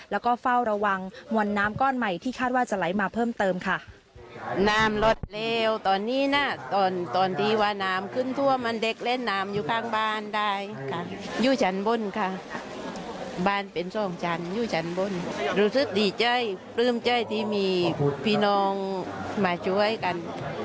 เล่นน้ำอยู่ข้างบ้านได้ค่ะอยู่ชั้นบนค่ะบ้านเป็นส่องชั้นอยู่ชั้นบนรู้สึกดีใจปลื้มใจที่มีพี่น้องมาช่วยกัน